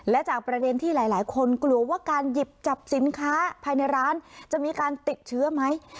และจากประเด็นที่หลายคนกลัวว่าการหยิบจับสินค้าภายในร้านจะมีการติดเชื้อไหม